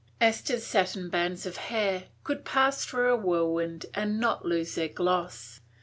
Esther's satin bands of hair could pass though a whirlwind, and not lose their gloss.